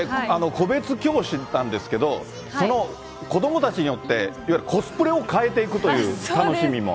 個別教師なんですけど、その子どもたちによって、いわゆるコスプレをかえていくという楽しみも。